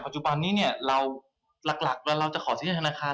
ปัจจุบันนี้เราหลักเราจะขอสินเชื่อธนาคาร